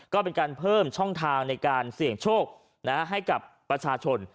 ก็เป็นการเพิ่มช่องทางในการเสี่ยงโชคให้กับประชาชน